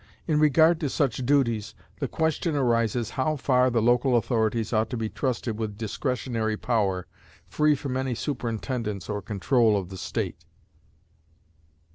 In regard to such duties, the question arises how far the local authorities ought to be trusted with discretionary power, free from any superintendence or control of the state.